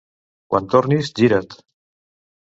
Quan tornis, gira't.